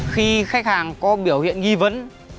khi khách hàng có biểu hiện nghi vấn